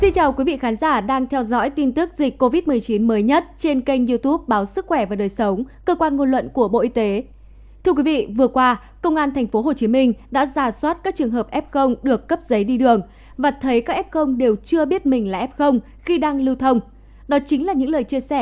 các bạn hãy đăng ký kênh để ủng hộ kênh của chúng mình nhé